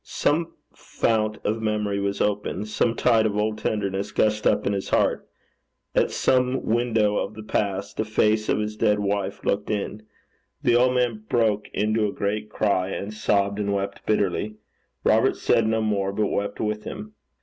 Some closet of memory was opened; a spring of old tenderness gushed up in his heart; at some window of the past the face of his dead wife looked out: the old man broke into a great cry, and sobbed and wept bitterly. Robert said no more, but wept with him.